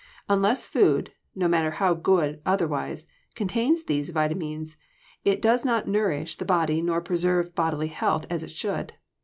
Unless food, no matter how good otherwise, contains these vitamines, it does not nourish the body nor preserve bodily health as it should.